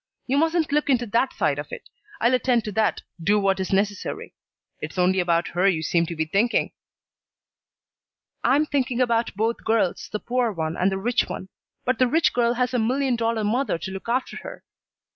You mustn't look into that side of it. I'll attend to that, do what is necessary. It's only about her you seem to be thinking." "I'm thinking about both girls, the poor one and the rich one. But the rich girl has a million dollar mother to look after her.